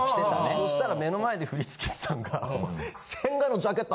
そしたら目の前で振付師さんが。